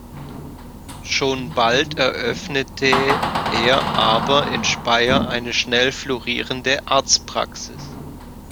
Schon bald eröffnete er aber in Speyer eine schnell florierende Arztpraxis.